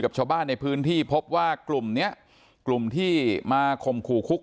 ชาวบ้านในพื้นที่พบว่ากลุ่มเนี้ยกลุ่มที่มาข่มขู่คุก